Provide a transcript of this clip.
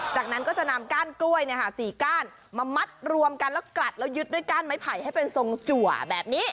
จากนั้นก็จะนำก้านกล้วย๔ก้านมามัดรวมกันแล้วกลัดแล้วยึดด้วยก้านไม้ไผ่ให้เป็นทรงจัวแบบนี้